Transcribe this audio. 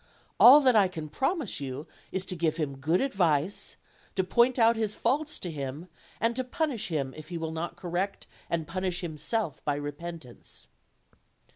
All that I can promise you is to give him good advice, to point out his faults to him, and to punish him if he will not correct and punish himself by repentance."